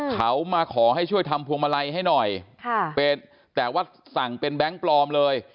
เขามาขอให้ช่วยทำพวงมาลัยให้หน่อยแต่ว่าสั่งเป็นแบงค์ปลอมเลย